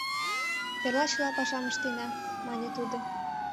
Эрла чыла пашам ыштена, — мане тудо.